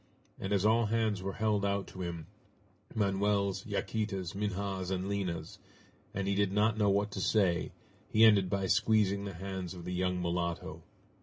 And as all hands were held out to him Manoel's, Yaquita's, Minha's, and Lina's, and he did not know what to say, he ended by squeezing the hands of the young mulatto.